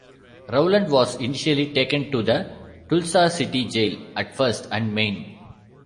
Rowland was initially taken to the Tulsa city jail at First and Main.